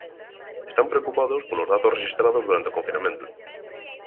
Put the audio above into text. Están preocupados polos datos rexistrados durante o confinamento.